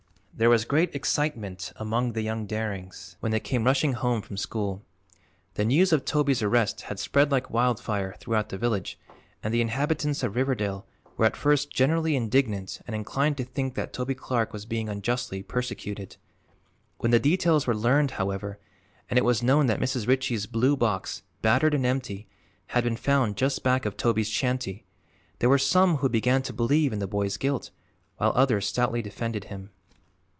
There was great excitement among the young Darings when they came rushing home from school. The news of Toby's arrest had spread like wildfire throughout the village and the inhabitants of Riverdale were at first generally indignant and inclined to think that Toby Clark was being unjustly persecuted. When the details were learned, however, and it was known that Mrs. Ritchie's blue box, battered and empty, had been found just back of Toby's shanty, there were some who began to believe in the boy's guilt, while others stoutly defended him.